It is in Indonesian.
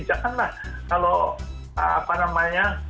janganlah kalau apa namanya